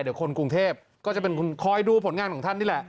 เดี๋ยวคนกรุงเทพก็จะเป็นคนคอยดูผลงานของท่านนี่แหละ